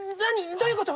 どういうこと？